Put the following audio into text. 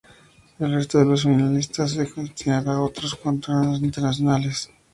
El resto de los semifinalistas se destinará a otros certámenes internacionales.